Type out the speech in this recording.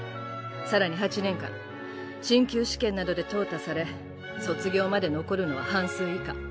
更に８年間進級試験などで淘汰され卒業まで残るのは半数以下。